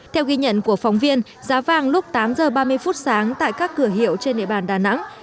theo ghi nhận của phóng viên giá vàng lúc tám h ba mươi phút sáng tại các cửa hiệu trên địa bàn đà nẵng